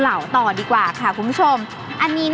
เพราะว่าผักหวานจะสามารถทำออกมาเป็นเมนูอะไรได้บ้าง